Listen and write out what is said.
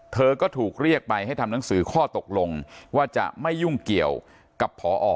เธอก็ถูกเรียกไปให้ทำหนังสือข้อตกลงว่าจะไม่ยุ่งเกี่ยวกับพอ